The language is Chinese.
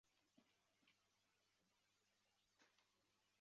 弗尔里埃人口变化图示